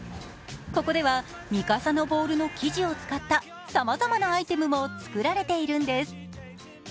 ここではミカサのボールの生地を使ったさまざまなアイテムも作られているんです。